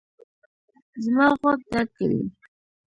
زما غوږ درد کوي